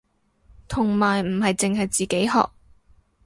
同埋唔係淨係自己學